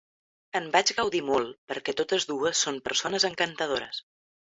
En vaig gaudir molt perquè totes dues són persones encantadores.